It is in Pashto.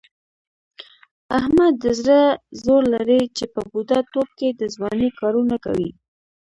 احمد د زړه زور لري، چې په بوډا توب کې د ځوانۍ کارونه کوي.